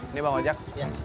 ini bang ojak